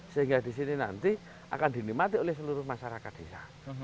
sehingga di sini nanti akan dinikmati oleh seluruh masyarakat desa